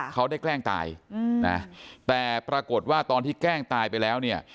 เขาได้แกล้งตายนะแต่ปรากฏว่าตอนที่แกล้งตายไปแล้วเนี่ย